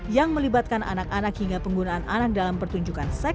yang melibatkan anak anak hingga penggunaan anak dalam pertunjukan seks